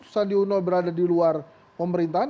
sandi uno berada di luar pemerintahan